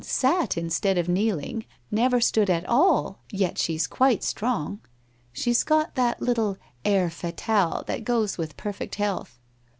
Sat instead of kneeling; never stood at all! Yet she's quite strong. She's got that little air fatale that goes with perfect health.'